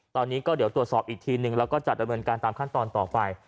ตอนนี้ก็เดี๋ยวตรวจสอบอีกทีนึงแล้วก็จัดดำเนินการตามขั้นตอนต่อไป